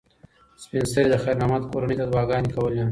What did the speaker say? سپین سرې د خیر محمد کورنۍ ته دعاګانې کولې.